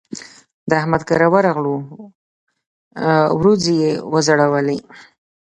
د احمد کره ورغلوو؛ وريځې يې وځړولې.